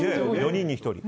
４人に１人。